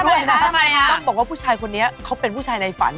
ด้วยนะต้องบอกว่าผู้ชายคนนี้เขาเป็นผู้ชายในฝัน